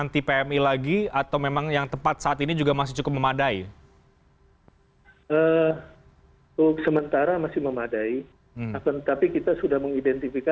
terima kasih pak